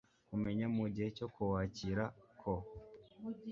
kumenya mu gihe cyo kuwakira ko